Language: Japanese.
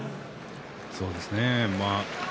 そうですね。